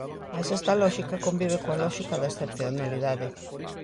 Mais esta lóxica convive coa lóxica da excepcionalidade.